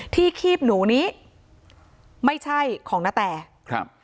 ที่ขีบหนูนี้ไม่ใช่ของณแตร์ครับ